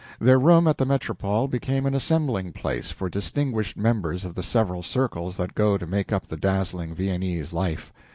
Their room at the Metropole became an assembling place for distinguished members of the several circles that go to make up the dazzling Viennese life.